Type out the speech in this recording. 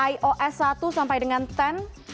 ios satu sampai dengan sepuluh